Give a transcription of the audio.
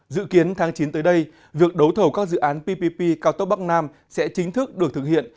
dự kiến tháng chín tới đây việc đấu thầu các dự án ppp cao tốc bắc nam sẽ chính thức được thực hiện